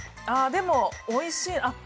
でも、おいしい。